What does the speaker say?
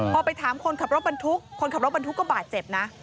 พอไปถามคนขับรถบรรทุกคนขับรถบรรทุกก็บาดเจ็บนะ